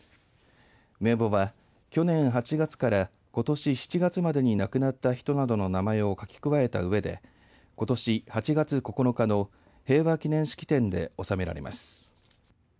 名簿は去年８月からことし７月までに亡くなった人などの名前を書き加えたうえでことし８月９日の平和祈念式典で納められます。